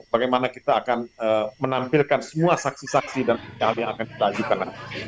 bagaimana kita akan menampilkan semua saksi saksi dan hal yang akan kita ajukan nanti